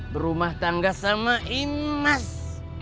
berumah tangga sama imas